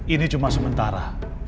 ini cuma sementara